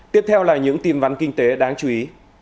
tiếp theo là những tin vắn kinh tế đáng chú ý